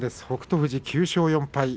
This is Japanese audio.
富士９勝４敗